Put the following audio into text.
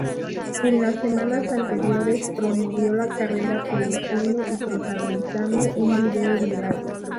En las semanas anteriores, promovió la carrera produciendo y protagonizando un video viral.